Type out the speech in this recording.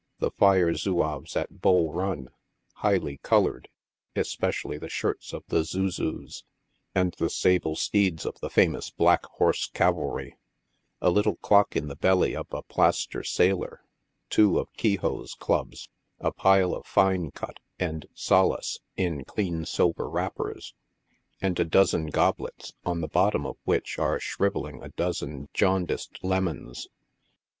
the Fire Zouaves at Bull Run— highly colored, especially the shirts of the Zoo Zoo's — and the sable steeds of the famous Black Horse Cavalry ; a little clock in the belly of a plaster sailor, two of Kehoe's clubs, a pile of " fine cut" and " solace" in clean siiver wrappers, and a dozen goblets, on the bottoms of which are shriveling a dozen jaundiced lemons.